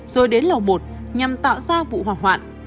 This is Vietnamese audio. rồi đến lầu một nhằm tạo ra vụ hỏa hoạn